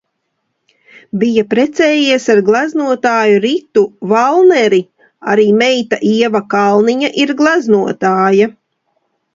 Bija precējies ar gleznotāju Ritu Valneri, arī meita Ieva Kalniņa ir gleznotāja.